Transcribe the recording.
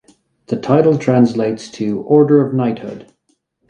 The title translates to "Order of Knighthood".